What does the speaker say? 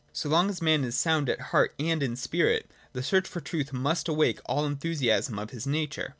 So long as man is sound at heart and in spirit, the search for truth must awake all the enthusiasm of his nature.